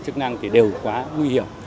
chức năng thì đều quá nguy hiểm